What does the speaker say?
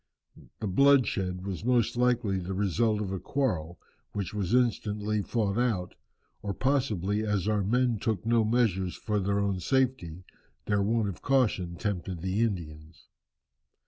The bloodshed was most likely the result of a quarrel which was instantly fought out, or possibly as our men took no measures for their own safety, their want of caution tempted the Indians."